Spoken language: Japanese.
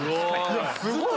すごい！